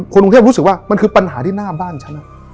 คนกรุงเทพรู้สึกว่ามันคือปัญหาที่หน้าบ้านฉัน